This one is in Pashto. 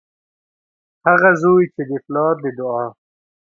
هغه زوی چې د پلار د دعا